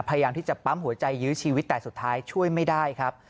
พยายามที่จะปั๊มหัวใจยื้อชีวิตแต่สุดท้ายช่วยไม่ได้ครับ